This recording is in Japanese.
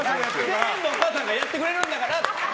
全部お母さんがやってくれるんだから！